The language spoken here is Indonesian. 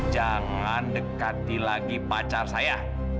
jangan dekati lagi pacar saya